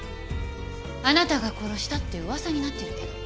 あなたが殺したって噂になってるけど。